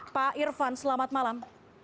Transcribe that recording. pak irvan selamat malam